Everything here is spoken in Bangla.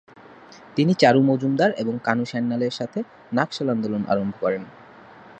তিনি চারু মজুমদার এবং কানু সান্যাল-এর সাথে নকশাল আন্দোলন আরম্ভ করেন।